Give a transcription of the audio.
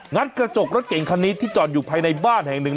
กระจกรถเก่งคันนี้ที่จอดอยู่ภายในบ้านแห่งหนึ่ง